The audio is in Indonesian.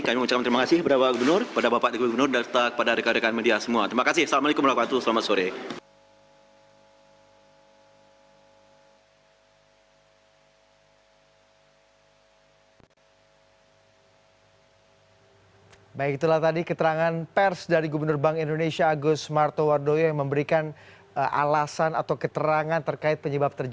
kami mengucapkan terima kasih kepada pak gubernur kepada bapak gubernur